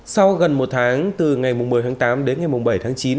sau gần một tháng từ ngày một mươi tháng tám đến ngày bảy tháng chín